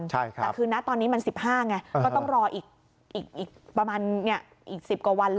แต่คือนะตอนนี้มัน๑๕ไงก็ต้องรออีกประมาณอีก๑๐กว่าวันเลย